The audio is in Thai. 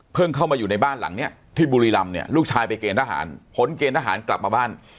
เข้ามาอยู่ในบ้านหลังเนี้ยที่บุรีรำเนี่ยลูกชายไปเกณฑหารพ้นเกณฑ์ทหารกลับมาบ้าน